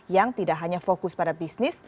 yang tidak hanya fokus pada bisnis